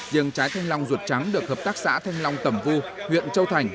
giờ trái thanh long rụt trắng được hợp tác xã thanh long tầm vu huyện châu thành